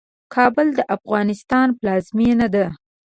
کابل د افغانستان پلازمينه ده.